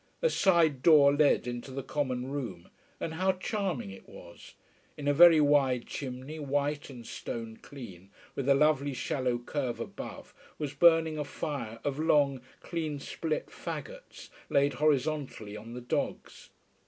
A side door led into the common room. And how charming it was. In a very wide chimney, white and stone clean, with a lovely shallow curve above, was burning a fire of long, clean split faggots, laid horizontally on the dogs.